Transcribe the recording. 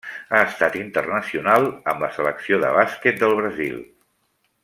Ha estat internacional amb la Selecció de bàsquet del Brasil.